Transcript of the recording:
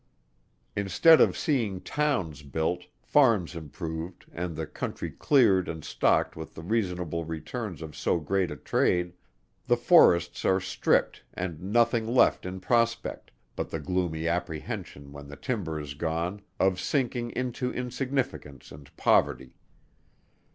Instead of seeing towns built, farms improved, and the country cleared and stocked with the reasonable returns of so great a trade; the forests are stripped and nothing left in prospect, but the gloomy apprehension when the timber is gone, of sinking into insignificance and poverty.